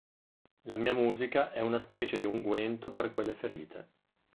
La mia musica è una specie di unguento per quelle ferite.